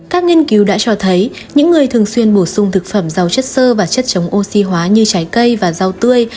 các nghiên cứu đã cho thấy những người thường xuyên bổ sung thực phẩm rau chất sơ và chất chống oxy hóa như trái cây và rau tươi